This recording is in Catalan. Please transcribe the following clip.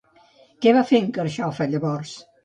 Què va fer en Carxofa llavors?